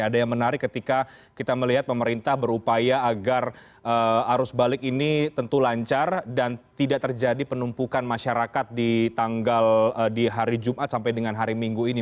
ada yang menarik ketika kita melihat pemerintah berupaya agar arus balik ini tentu lancar dan tidak terjadi penumpukan masyarakat di tanggal di hari jumat sampai dengan hari minggu ini